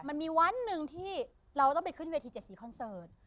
มันมีวันหนึ่งที่เราต้องไปขึ้นเวที๗๔คอนเสิร์ต